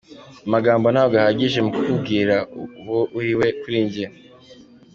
Amagambo ntabwo ahagije mu kukubwira uwo uri we kuri njye.